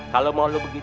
kalo mau lu begitu